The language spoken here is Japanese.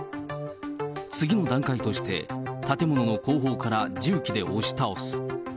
次の段階として、建物の後方から重機で押し倒す。